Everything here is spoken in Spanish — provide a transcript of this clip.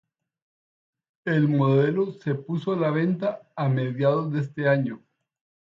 El modelo se puso a la venta a mediados de ese año.